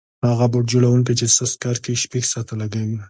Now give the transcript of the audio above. هغه بوټ جوړونکی چې سست کار کوي شپږ ساعته لګوي.